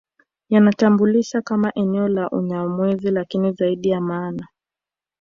Yatambulisha kama eneo la Unyamwezi lakini zaidi ya maana